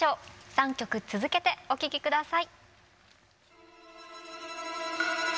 ３曲続けてお聴き下さい。